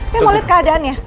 saya mau lihat keadaannya